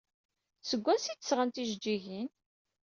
Seg wansi ay d-sɣan tijeǧǧigin?